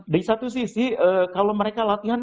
di satu sisi kalau mereka latihan